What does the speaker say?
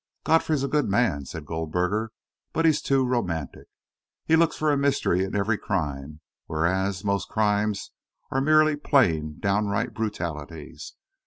"Godfrey's a good man," said Goldberger, "but he's too romantic. He looks for a mystery in every crime, whereas most crimes are merely plain, downright brutalities.